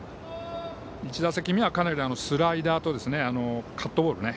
１打席目は、スライダーとカットボールね。